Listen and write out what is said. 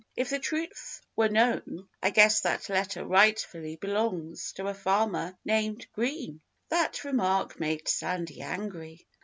If the truth were known, I guess that letter rightfully belongs to a farmer named Green." That remark made Sandy angry.